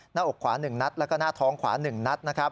หน้าอกขวา๑นัดแล้วก็หน้าท้องขวา๑นัดนะครับ